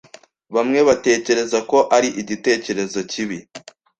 Bamwe batekereza ko ari igitekerezo kibi.